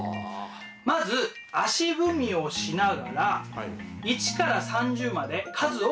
まず足踏みをしながら１から３０まで数を数えていきます。